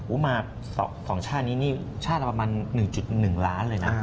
อุมาสองชาตินี้ชาติประมาณ๑๑ล้านเลยนะ